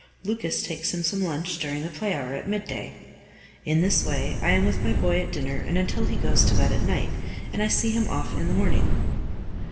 Lucas takes him some lunch during the play hour at midday. In this way I am with my boy at dinner and until he goes to bed at night, and I see him off in the morning.